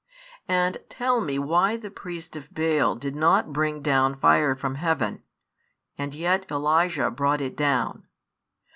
And tell me why the priests of Baal did not bring down fire from heaven, and yet Elijah brought it down?